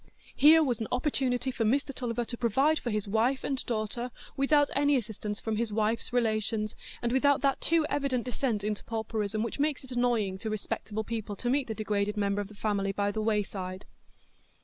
Here was an opportunity for Mr Tulliver to provide for his wife and daughter without any assistance from his wife's relations, and without that too evident descent into pauperism which makes it annoying to respectable people to meet the degraded member of the family by the wayside.